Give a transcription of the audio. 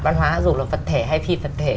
văn hóa dù là vật thể hay phi vật thể